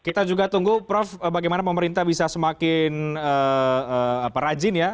kita juga tunggu prof bagaimana pemerintah bisa semakin rajin ya